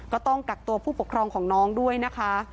ก็ต้องกักตัวผู้ปกครองของน้องด้วยนะคะ